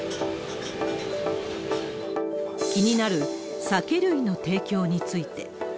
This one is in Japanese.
気になる酒類の提供について。